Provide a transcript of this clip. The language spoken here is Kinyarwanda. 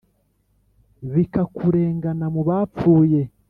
bikakurengana mu bapfuye